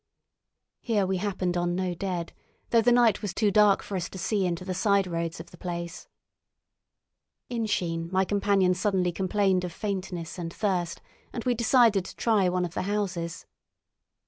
Here we happened on no dead, though the night was too dark for us to see into the side roads of the place. In Sheen my companion suddenly complained of faintness and thirst, and we decided to try one of the houses.